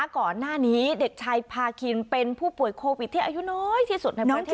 ก่อนหน้านี้เด็กชายพาคินเป็นผู้ป่วยโควิดที่อายุน้อยที่สุดในพื้นที่